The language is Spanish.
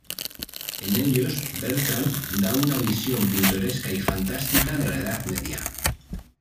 En ellos, Bertrand da una visión pintoresca y fantástica de la Edad Media.